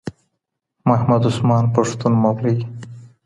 محمدعثمان پښتون مولوي